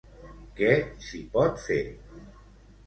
Què s'hi pot fer?